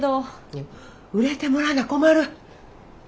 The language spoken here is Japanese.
いや売れてもらわな困る。